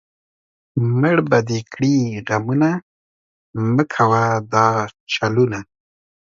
مړ به دې کړي غمونه، مۀ کوه دا چلونه